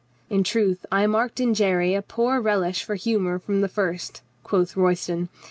"In truth, I marked in Jerry a poor relish for humor from the first," quoth Royston.